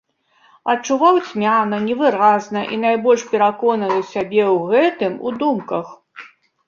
Адчуваў цьмяна, невыразна і найбольш пераконваў сябе ў гэтым у думках.